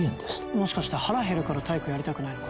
もしかして腹へるから体育やりたくないのか？